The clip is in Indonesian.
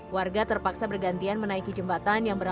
warga terpaksa bergantian menaiki jembatan yang berbeda